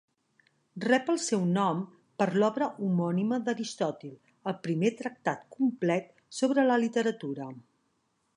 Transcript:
Rep el seu nom per l'obra homònima d'Aristòtil, el primer tractat complet sobre la literatura.